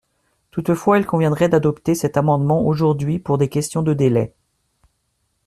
Toutefois, il conviendrait d’adopter cet amendement aujourd’hui pour des questions de délai.